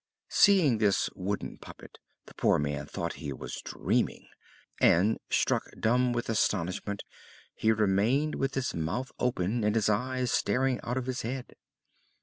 Seeing this wooden puppet, the poor man thought he was dreaming, and, struck dumb with astonishment, he remained with his mouth open and his eyes starting out of his head.